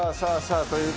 という